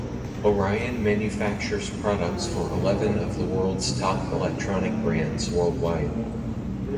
Orion manufactures products for eleven of the world's top electronic brands worldwide.